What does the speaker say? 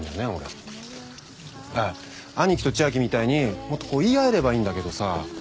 兄貴と千明みたいにもっとこう言い合えればいいんだけどさ。